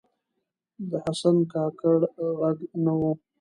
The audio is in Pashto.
د حسن کاکړ ږغ نه و